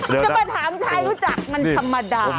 จะมาถามชายรู้จักมันธรรมดา